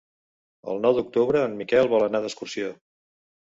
El nou d'octubre en Miquel vol anar d'excursió.